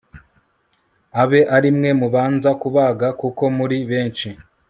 abe ari mwe mubanza kubaga kuko muri benshi